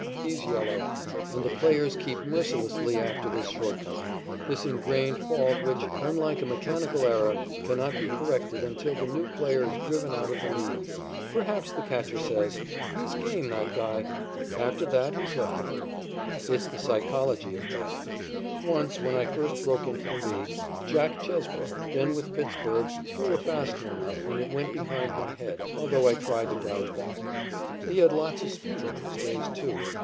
He's yellow." And the players keep mercilessly after this shortcoming, this ingrained fault which, unlike a mechanical error, cannot be corrected until the new player is driven out of the League. Perhaps the catcher says: "He's game, that guy. No scare to him." After that he is let alone. It's the psychology of batting. Once, when I first broke into the League, Jack Chesbro, then with Pittsburg, threw a fast one up, and it went behind my head, although I tried to dodge back. He had lots of speed in those days, too.